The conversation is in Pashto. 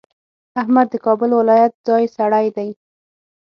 احمد د کابل ولایت ځای سړی دی.